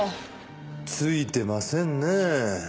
ついてませんねえ